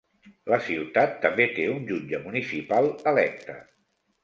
La ciutat també té un jutge municipal electe.